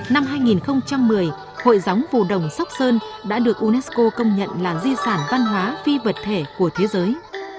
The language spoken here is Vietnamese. năm hai nghìn một mươi hội gióng phù đồng sóc sơn đã được unesco công nhận là di sản văn hóa phi vật thể của thế giới